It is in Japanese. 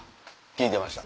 聞いてました？